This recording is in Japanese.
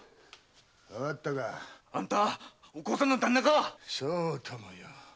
わかったかあんたお甲さんのダンナかそうともよ。